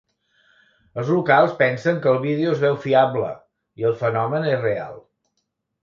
Els locals pensen que el vídeo es veu fiable, i el fenomen és real.